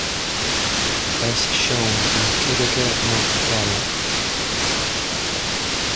As shown in Gegege no Kitaro.